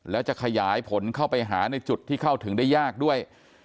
แล้วจะขยายผลเข้าไปหาในจุดที่เข้าถึงได้ยากด้วย